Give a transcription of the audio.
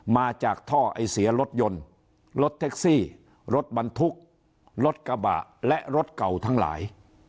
มาจากท่อไอเสียรถยนต์รถแท็กซี่รถบรรทุกรถกระบะและรถเก่าทั้งหลาย